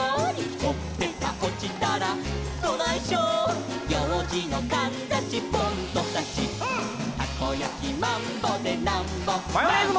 「ほっぺたおちたらどないしょー」「ようじのかんざしポンとさし」「たこやきマンボでなんぼマンボ」「マヨネーズもな！」